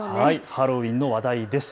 ハロウィーンの話題です。